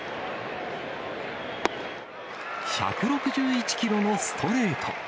１６１キロのストレート。